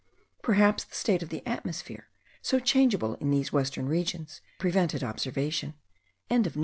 Perhaps the state of the atmosphere, so changeable in these western regions, prevented observation.)